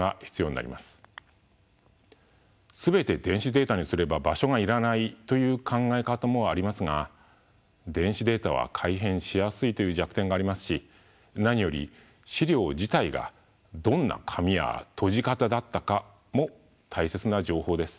全て電子データにすれば場所が要らないという考え方もありますが電子データは改変しやすいという弱点がありますし何より資料自体がどんな紙やとじ方だったかも大切な情報です。